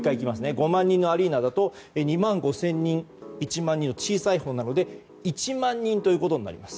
５万人のアリーナだと２万５０００人１万人の小さいほうなので１万人ということになります。